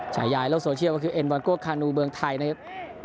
ฉายายร่วมโซเชียลว่าคือเอ็นวันกว้าคานูเมืองไทยนะครับ